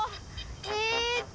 えっと。